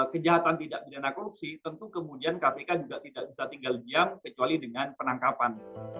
kejahatan tidak pidana korupsi tentu kemudian kpk juga tidak bisa tinggal diam kecuali dengan penangkapan